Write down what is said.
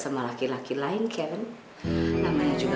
pak aku tau